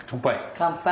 乾杯！